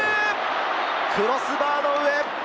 クロスバーの上。